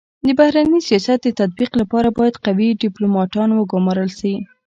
د بهرني سیاست د تطبیق لپاره بايد قوي ډيپلوماتان و ګمارل سي.